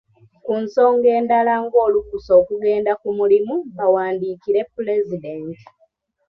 Ku nsonga endala ng'olukusa okugenda ku mulimu bawandiikire Pulezidenti.